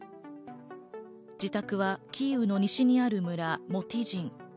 自宅はキーウの西にある村、モティジン。